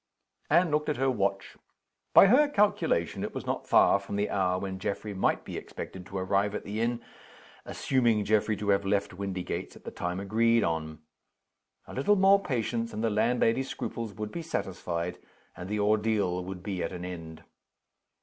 Anne looked at her watch. By her calculation it was not far from the hour when Geoffrey might be expected to arrive at the inn, assuming Geoffrey to have left Windygates at the time agreed on. A little more patience, and the landlady's scruples would be satisfied, and the ordeal would be at an end.